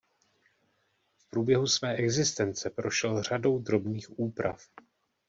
V průběhu své existence prošel řadou drobných úprav.